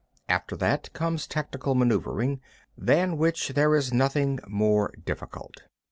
3. After that, comes tactical manœuvering, than which there is nothing more difficult.